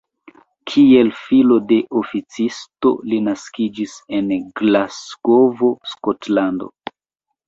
Kiel filo de oficisto li naskiĝis en Glasgovo, Skotlando.